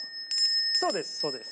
そうですそうです。